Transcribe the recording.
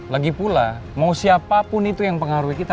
lagipula mau siapapun itu yang pengaruhi kita